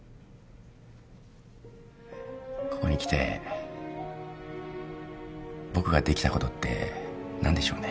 ここに来て僕ができたことって何でしょうね。